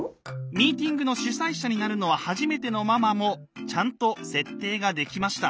ミーティングの主催者になるのは初めてのママもちゃんと設定ができました。